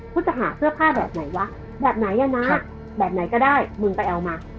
คุณจะหาเสื้อผ้าแบบไหนวะแบบไหนอ่ะนะแบบไหนก็ได้มึงไปเอามา